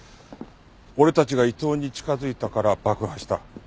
俺たちが伊藤に近づいたから爆破した。